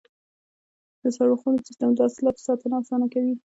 د سړو خونو سیستم د حاصلاتو ساتنه اسانه کوي.